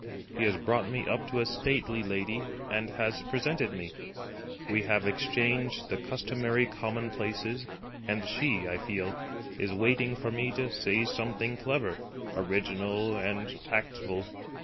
He has brought me up to a stately lady, and has presented me. We have exchanged the customary commonplaces, and she, I feel, is waiting for me to say something clever, original and tactful.